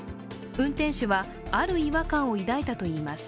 運転手はある違和感を抱いたといいます。